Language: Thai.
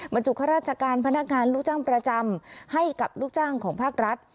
บรรจุข้าราชการพนักงานลูกจ้างประจำให้กับลูกจ้างของภาครัฐ